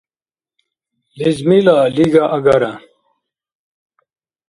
Лезмила лига агара.